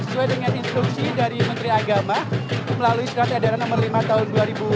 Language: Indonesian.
sesuai dengan instruksi dari menteri agama melalui surat edaran nomor lima tahun dua ribu dua puluh